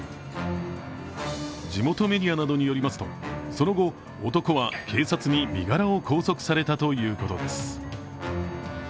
地元メディアなどによりますとその後、男は警察に身柄を拘束されたということです。